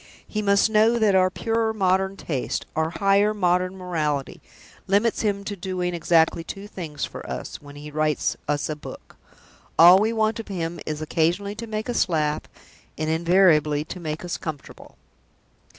He must know that our purer modern taste, our higher modern morality, limits him to doing exactly two things for us, when he writes us a book. All we want of him is occasionally to make us laugh; and invariably to make us comfortable."